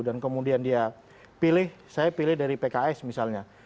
dan kemudian dia pilih saya pilih dari pks misalnya